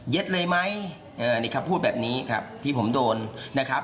เลยไหมนี่คำพูดแบบนี้ครับที่ผมโดนนะครับ